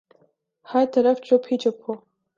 ہر طرف چپ ہی چپ ہو۔